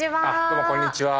どうもこんにちは。